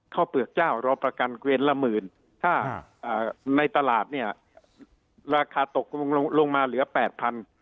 เปลือกเจ้ารอประกันเกวียนละหมื่นถ้าในตลาดเนี่ยราคาตกลงลงมาเหลือแปดพัน